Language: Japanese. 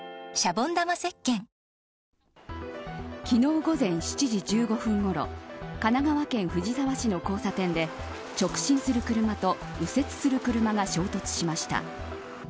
昨日午前７時１５分ごろ神奈川県藤沢市の交差点で直進する車と右折する車が衝突しました。